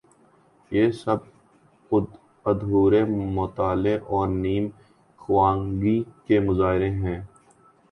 یہ سب ادھورے مطالعے اور نیم خوانگی کے مظاہر ہیں۔